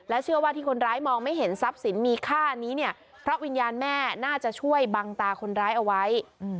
เชื่อว่าที่คนร้ายมองไม่เห็นทรัพย์สินมีค่านี้เนี่ยเพราะวิญญาณแม่น่าจะช่วยบังตาคนร้ายเอาไว้